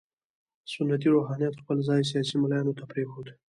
سنتي روحانیت خپل ځای سیاسي ملایانو ته پرېښود.